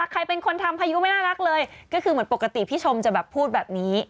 ก็คือเหมือนปกติพี่ชมจะแบบพูดแบบนี้